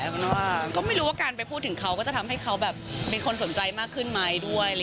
เลยก็ไม่รู้ที่เป็นไปไม่คุ้นขึ้นไหม